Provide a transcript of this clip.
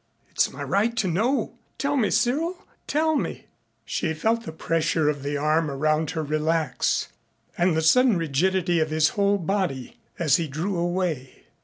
It's my right to know. Tell me, Cyril. Tell me." She felt the pressure of the arm around her relax and the sudden rigidity of his whole body as he drew away.